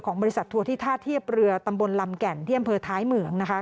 บริษัททัวร์ที่ท่าเทียบเรือตำบลลำแก่นที่อำเภอท้ายเหมืองนะคะ